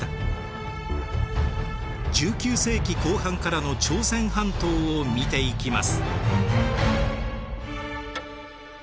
１９世紀後半からの朝鮮半島を見ていきます。